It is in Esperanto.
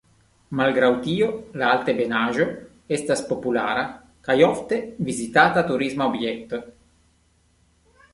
Malgraŭ tio la altebenaĵo estas populara kaj ofte vizitata turisma objekto.